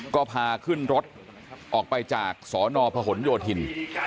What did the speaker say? ก็พาขึ้นรถออกไปจากสนพหนโยธิน